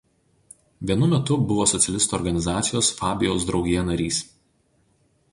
Vienu metu buvo socialistų organizacijos „Fabijaus draugija“ narys.